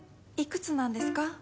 いくつなんですか？